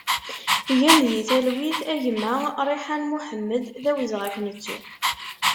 Gen di talwit a gma Riḥan Mohamed, d awezɣi ad k-nettu!